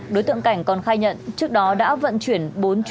đối tượng cảnh còn khai nhận trước đó đã vận chuyển bốn chuyến thuốc lá ngoại nhập lậu